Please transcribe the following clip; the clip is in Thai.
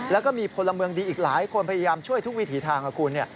แล้วก็มีพลเมืองดีอีกหลายคนพยายามช่วยทุกวิถีทางค่ะคุณ